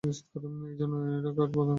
এ জন্য এরা কাঠ প্রদানকারী উদ্ভিদ।